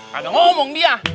kalau ngomong dia